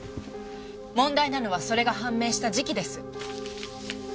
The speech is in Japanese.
問題なのはそれが判明した時期です。